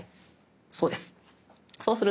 そうです。